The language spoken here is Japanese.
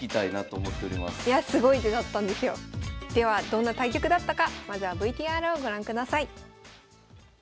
どんな対局だったかまずはＶＴＲをご覧ください。